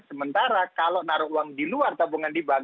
sementara kalau naruh uang di luar tabungan di bank